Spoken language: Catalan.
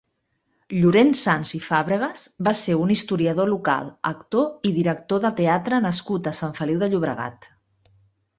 Llorenç Sans i Fàbregas va ser un historiador local, actor i director de teatre nascut a Sant Feliu de Llobregat.